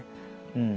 うん。